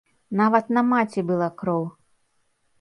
Нават на маці была кроў!